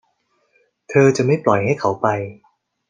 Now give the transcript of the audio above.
เธอจะไม่ปล่อยให้เขาไป